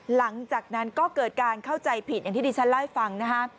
หลังจากนั้นก็เกิดการเข้าใจผิดอย่างที่ดิฉันเล่าให้ฟังนะฮะ